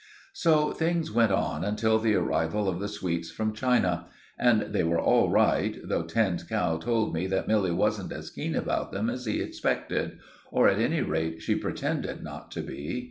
So things went on until the arrival of the sweets from China; and they were all right, though Tinned Cow told me that Milly wasn't as keen about them as he expected, or at any rate she pretended not to be.